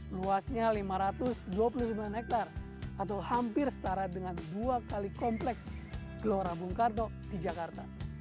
luasnya lima ratus dua puluh sembilan hektare atau hampir setara dengan dua kali kompleks gelora bung karno di jakarta